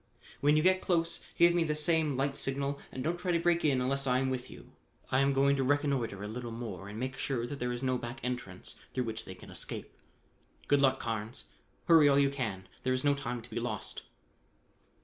When you get close give me the same light signal and don't try to break in unless I am with you. I am going to reconnoitre a little more and make sure that there is no back entrance through which they can escape. Good luck. Carnes: hurry all you can. There is no time to be lost."